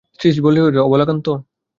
শ্রীশ বলিয়া উঠিল, অবলাকান্ত?